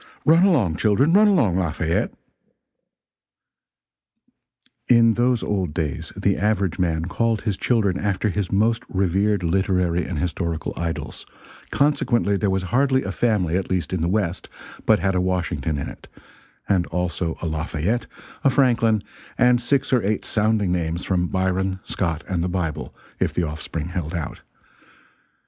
Run along, children, run along; Lafayette, [In those old days the average man called his children after his most revered literary and historical idols; consequently there was hardly a family, at least in the West, but had a Washington in it and also a Lafayette, a Franklin, and six or eight sounding names from Byron, Scott, and the Bible, if the offspring held out.